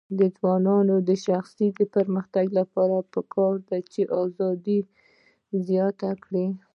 د ځوانانو د شخصي پرمختګ لپاره پکار ده چې ازادي زیاته کړي.